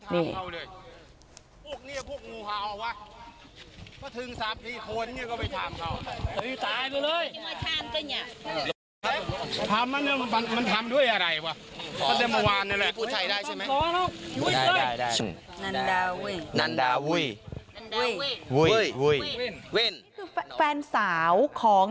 อ๋อนานดาวเว้นเว้นเว้นแฟนเซาของ